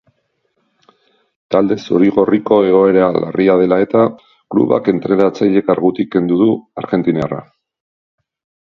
Talde zuri-gorriko egoera larria dela eta, klubak entrenatzaile kargutik kendu du argentinarra.